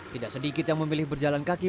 tidak sedikit yang memilih berjalan kaki